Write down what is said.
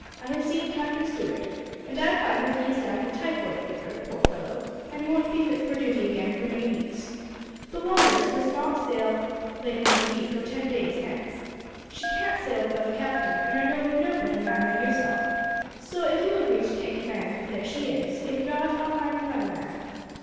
I have seen Captain Stuart, and I find that he is down with typhoid fever, poor fellow, and won't be fit for duty again for many weeks. The Walrus must sail not later than a week or ten days hence. She can't sail without a captain, and I know of no better man than yourself; so, if you agree to take command, there she is, if not I'll find another man."